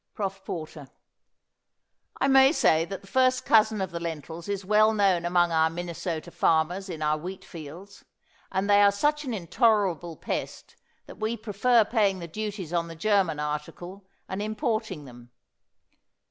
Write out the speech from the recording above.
PROF. PORTER. I may say that the first cousin of the lentils is well known among our Minnesota farmers in our wheat fields, and they are such an intolerable pest that we prefer paying the duties on the German article and importing them.